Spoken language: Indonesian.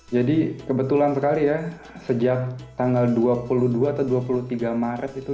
jadi kebetulan sekali ya sejak tanggal dua puluh dua atau dua puluh tiga maret itu